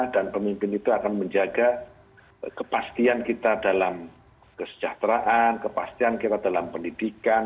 dan pemimpin itu akan menjaga kepastian kita dalam kesejahteraan kepastian kita dalam pendidikan